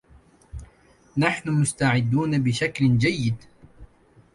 نحن مستعدون بشكل جيد